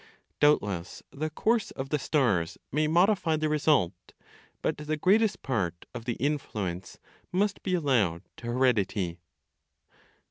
Doubtless, the course of the stars may modify the result, but the greatest part of the influence must be allowed to heredity.